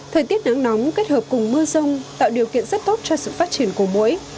thời tiết nắng nóng kết hợp cùng mưa rông tạo điều kiện rất tốt cho sự phát triển của mũi